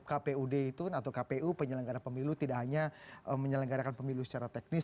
kpud itu atau kpu penyelenggara pemilu tidak hanya menyelenggarakan pemilu secara teknis